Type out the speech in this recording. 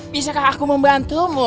bisakah aku membantumu